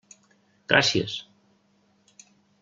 Gràcies!